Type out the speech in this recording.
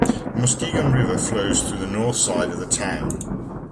The Muskegon River flows through the north side of the town.